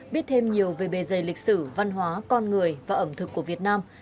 biết thêm nhiều về bề dày lịch sử văn hóa con người và ẩm thực của việt nam